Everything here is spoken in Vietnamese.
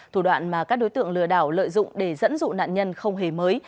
thủ đoạn mà các đối tượng lừa đảo lợi dụng để dẫn dụ nạn nhân không hề mới